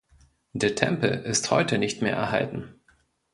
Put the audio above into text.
Der Tempel ist heute nicht mehr erhalten.